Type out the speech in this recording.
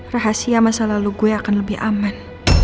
rahasia masa lalu gue akan lebih aman